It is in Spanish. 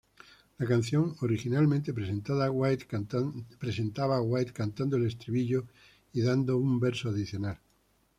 La canción originalmente presentaba a White cantando el estribillo y dando un verso adicional.